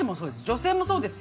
女性もそうですよ。